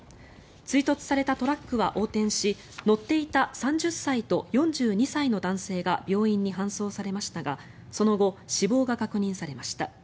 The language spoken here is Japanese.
追突されたトラックは横転し乗っていた３０歳と４２歳の男性が病院に搬送されましたがその後、死亡が確認されました。